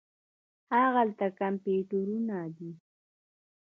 هاغلته کمپیوټرونه دي.